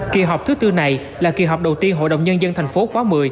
kỳ họp thứ tư này là kỳ họp đầu tiên hội đồng nhân dân tp hcm